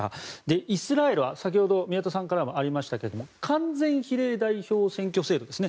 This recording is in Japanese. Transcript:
イスラエルは、先ほど宮田さんからもありましたが完全比例代表選挙制度ですね。